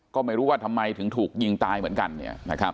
ก็ไม่รู้ว่าทำไมถึงถูกยิงตายเหมือนกัน